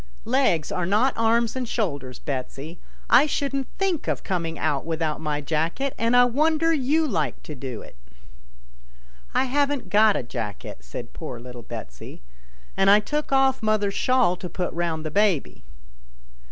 " Legs are not arms and shoulders, Betsy. I shouldn't think of coming out without my jacket, and I wonder you like to do it." " I haven't got a jacket," said poor little Betsy, " and I took off mother's shawl to put round the baby."